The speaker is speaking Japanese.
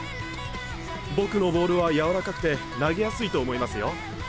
僕のボールは柔らかくて投げやすいと思いますよ。